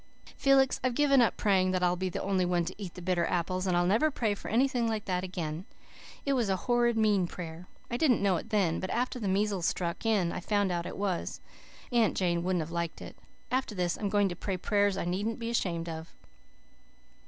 "Felix, I've given up praying that I'd be the only one to eat the bitter apples, and I'll never pray for anything like that again. It was a horrid mean prayer. I didn't know it then, but after the measles struck in I found out it was. Aunt Jane wouldn't have liked it. After this I'm going to pray prayers I needn't be ashamed of.